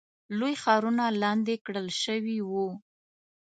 لوی ښارونه لاندې کړل شوي وو.